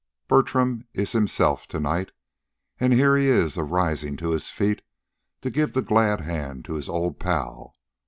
"Bertram is himself to night. An' he is here, arisin' to his feet to give the glad hand to his old pal.